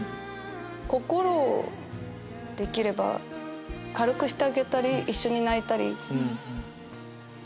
心をできれば軽くしてあげたり一緒に泣いたり。